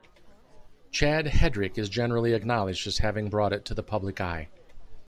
Chad Hedrick is generally acknowledged as having brought it to the public eye.